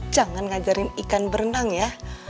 jangan ngajarin ikan berenang ya